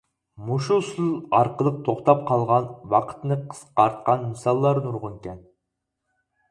مۇشۇ ئۇسۇل ئارقىلىق توختاپ قالغان ۋاقىتنى قىسقارتقان مىساللار نۇرغۇنكەن.